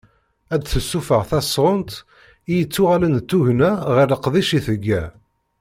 Ad d-tessufeɣ tasɣunt i yettuɣalen d tugna ɣef leqdic i tga.